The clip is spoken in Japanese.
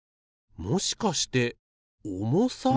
もしかして重さ？